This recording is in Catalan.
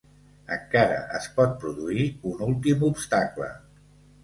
Encara es pot produir un últim obstacle.